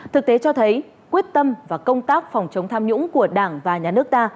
thực tế cho thấy quyết tâm và công tác phòng chống tham nhũng của đảng và nhà nước ta